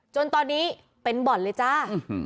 จนตอนนี้เป็นบ่อนเลยจ้า